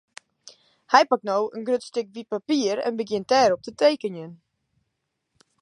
Hy pakt no in grut stik wyt papier en begjint dêrop te tekenjen.